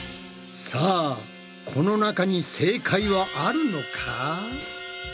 さあこの中に正解はあるのか？